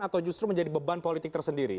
atau justru menjadi beban politik tersendiri